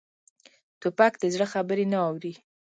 توپک د زړه خبرې نه اوري.